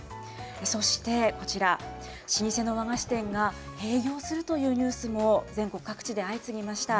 そしてこちら、老舗の和菓子店が廃業するというニュースも、全国で相次ぎました。